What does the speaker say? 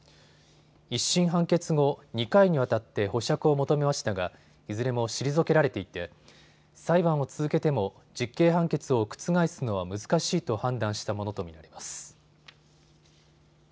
１審判決後、２回にわたって保釈を求めましたがいずれも退けられていて裁判を続けても実刑判決を覆すのは難しいと判断したものと見られます。